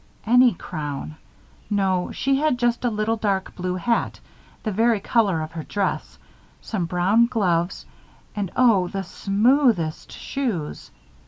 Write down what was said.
"Any crown. No, she had just a little dark blue hat the very color of her dress, some brown gloves and oh! the smoothest shoes.